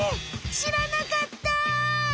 しらなかった！